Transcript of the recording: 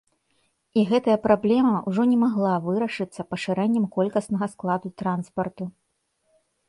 І гэтая праблема ўжо не магла вырашыцца пашырэннем колькаснага складу транспарту.